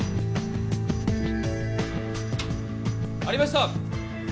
・ありました！